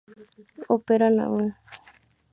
Operan aun.